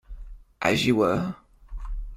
As you were!